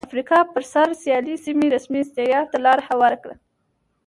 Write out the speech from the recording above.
افریقا پر سر سیالۍ سیمې رسمي استعمار ته لار هواره کړه.